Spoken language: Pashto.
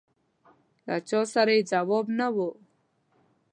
له چا سره یې ځواب نه و.